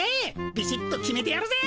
ビシッと決めてやるぜ。